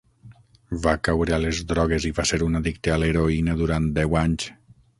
Va caure a les drogues i va ser un addicte a l'heroïna durant deu anys.